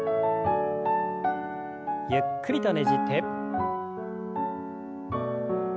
ゆっくりとねじって。